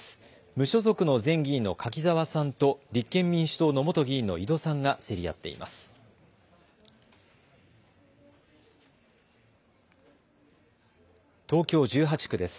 無所属の前議員の柿沢さんと立憲民主党の元議員の井戸さんが競り合っています。